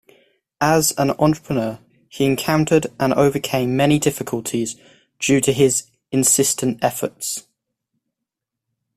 As an entrepreneur, he encountered and overcame many difficulties, due to his insistent efforts.